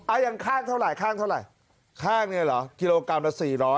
ยังข้างเท่าไหร่ข้างเท่าไหร่ข้างเนี่ยเหรอกิโลกรัมละสี่ร้อย